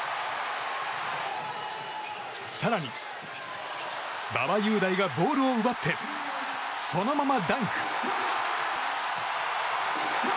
更に馬場雄大がボールを奪ってそのままダンク！